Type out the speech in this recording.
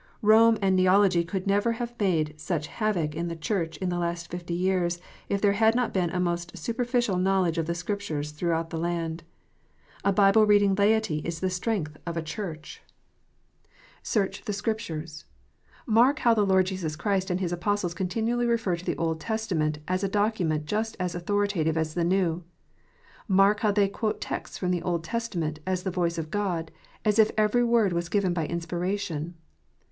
Rome and Xeology could never have made such havoc in the Church in fhe last fifty years, if there had not been a most superficial knowledge of the Scriptures throughout the land. A Bible reading laity is the strength of a Church. 352 KNOTS UNTIED. " Search the Scriptures." Mark how the Lord Jesus Christ and His Apostles continually refer to the Old Testament, as a document just as authoritative as the New. Mark how they quote texts from the Old Testament, as the voice of God, as if every word was given by inspiration.